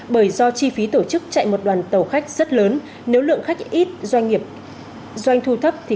bởi do chi phí tổ chức chạy một đoàn tàu khách rất lớn nếu lượng khách ít doanh thu thấp thì